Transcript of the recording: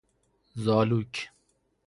زالوک